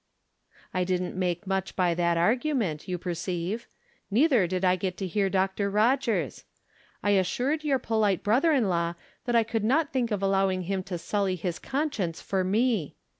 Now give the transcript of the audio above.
I didn't make much by that argument, you perceive ; neither did I get to hear Dr. Rogers. I assured your polite brother in law that I could not think of allowing him to sully his conscience for me.